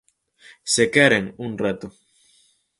Se queren, un reto.